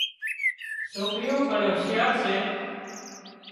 سوڪريو پڻ هوشيارا سي